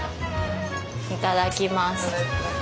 いただきます。